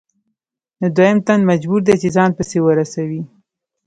نو دویم تن مجبور دی چې ځان پسې ورسوي